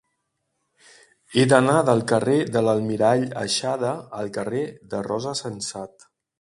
He d'anar del carrer de l'Almirall Aixada al carrer de Rosa Sensat.